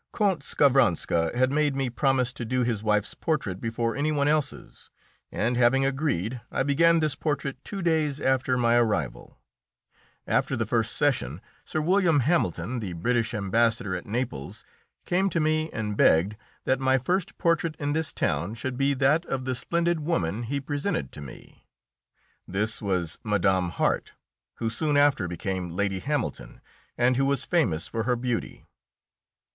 Count Skavronska had made me promise to do his wife's portrait before any one else's, and, having agreed, I began this portrait two days after my arrival. After the first session, Sir William Hamilton, the British Ambassador at Naples, came to me and begged that my first portrait in this town should be that of the splendid woman he presented to me. This was Mme. Harte, who soon after became Lady Hamilton, and who was famous for her beauty.